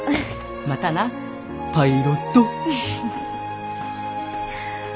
またなパイロット！